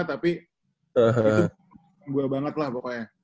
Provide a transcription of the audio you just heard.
tapi itu buah banget lah pokoknya